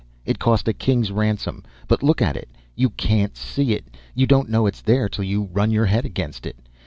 It cost a king's ransom. But look at it! You can't see it. You don't know it's there till you run your head against it.